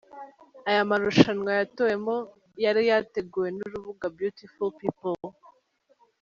Aya marushanwa yatowemo yari yateguwe n’urubuga beautifulpeople.